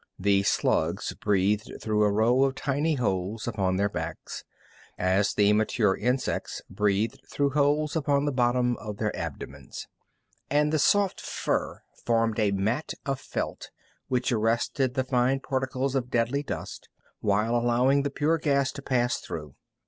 The slugs breathed through a row of tiny holes upon their backs, as the mature insects breathed through holes upon the bottom of their abdomens, and the soft fur formed a mat of felt which arrested the fine particles of deadly dust, while allowing the pure air to pass through.